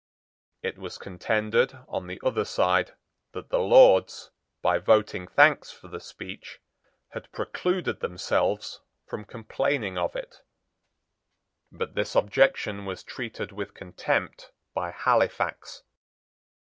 It was contended, on the other side, that the Lords, by voting thanks for the speech, had precluded themselves from complaining of it. But this objection was treated with contempt by Halifax.